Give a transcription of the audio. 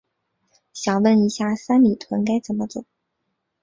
想问一下，三里屯该怎么走？